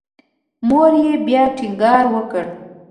مور یې بیا ټینګار وکړ.